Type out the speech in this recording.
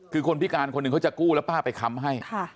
คือคนพิการคนหนึ่งเขาจะกู้แล้วป้าไปค้ำให้